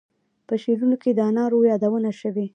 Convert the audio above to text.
په شعرونو کې د انارو یادونه شوې.